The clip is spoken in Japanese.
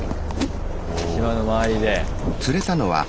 島の周りで。